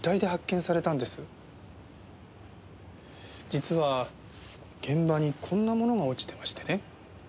実は現場にこんなものが落ちてましてね。